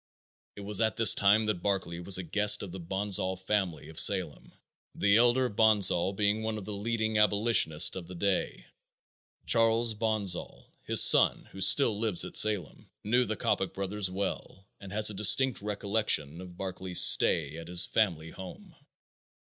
It was at this time that Barclay was a guest of the Bonsall family of Salem, the elder Bonsall being one of the leading abolitionists of that day. Charles Bonsall, his son, who still lives at Salem, knew the Coppock brothers well and has a distinct recollection of Barclay's stay at his father's home.